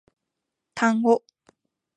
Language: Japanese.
単語